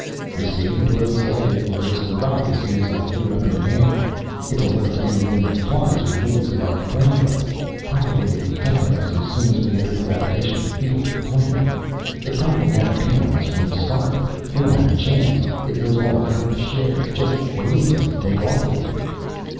"You see," Dorle said, "it noticed the rock, as soon as I threw it up in the air. It's alert to anything that flies or moves above the ground level. Probably it detected us as soon as we entered the gravitational field of the planet. It probably had a bead on us from the start. We don't have a chance. It knows all about the ship. It's just waiting for us to take off again."